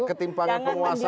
ketimpangan penguasaan aset